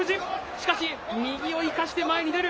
しかし、右を生かして前に出る。